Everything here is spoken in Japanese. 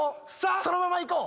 そのまま行こう。